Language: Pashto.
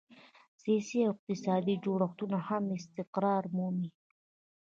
سیاسي او اقتصادي جوړښتونه هم استقرار مومي.